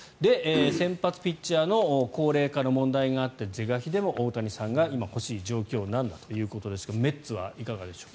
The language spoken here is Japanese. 先発ピッチャーの高齢化の問題があって是が非でも大谷さんが今、欲しい状況なんだということですがメッツはいかがでしょう。